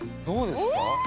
どうですか？